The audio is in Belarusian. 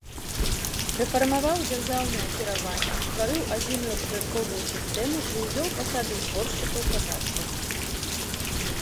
Рэфармаваў дзяржаўнае кіраванне, стварыў адзіную падатковую сістэму і ўвёў пасады зборшчыкаў падаткаў.